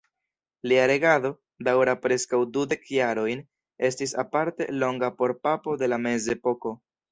Lia regado, daŭra preskaŭ dudek jarojn, estis aparte longa por papo de la Mezepoko.